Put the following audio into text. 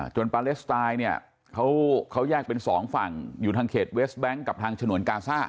ปาเลสไตล์เนี่ยเขาแยกเป็นสองฝั่งอยู่ทางเขตเวสแบงค์กับทางฉนวนกาซ่า